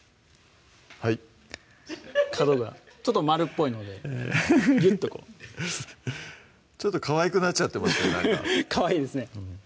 はい角がちょっと丸っぽいのでヘヘヘギュッとこうちょっとかわいくなっちゃってますねなんかかわいいですね